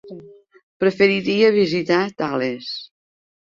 Preferiria visitar Tales.